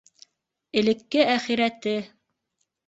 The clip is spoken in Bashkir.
Элекке әхирәте!